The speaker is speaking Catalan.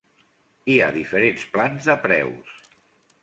Hi ha diferents plans de preus.